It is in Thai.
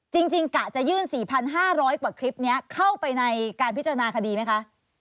กะจะยื่น๔๕๐๐กว่าคลิปนี้เข้าไปในการพิจารณาคดีไหมคะ